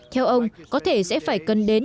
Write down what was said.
theo ông có thể sẽ phải cần đến